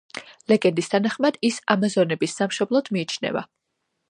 ლეგენდის თანახმად ის ამაზონების სამშობლოდ მიიჩნევა.